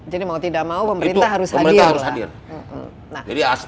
jadi mau tidak mau pemerintah harus hadir